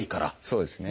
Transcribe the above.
そうですね。